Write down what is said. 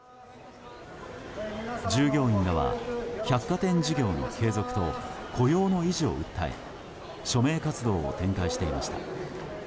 従業員らは百貨店事業の継続と雇用の維持を訴え署名活動を展開していました。